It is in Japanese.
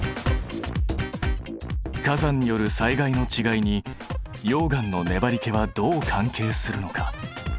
火山による災害のちがいに溶岩のねばりけはどう関係するのか？